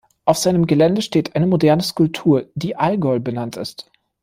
Auf seinem Gelände steht eine moderne Skulptur, die “Algol” benannt ist.